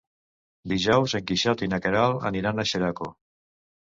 Dijous en Quixot i na Queralt aniran a Xeraco.